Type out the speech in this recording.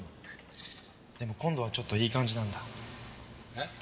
でも今度はちょっといい感じなんだ。え？